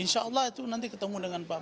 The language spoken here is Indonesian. insya allah itu nanti ketemu dengan pak prabowo